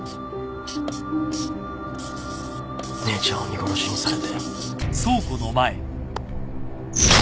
姉ちゃんを見殺しにされて